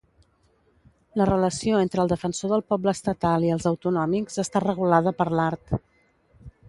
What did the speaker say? La relació entre el defensor del poble estatal i els autonòmics està regulada per l'art.